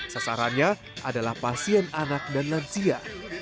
sasarannya adalah pasien anak dan lansia